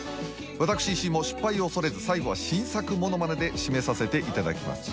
私石井も失敗を恐れず最後は新作ものまねで締めさせていただきます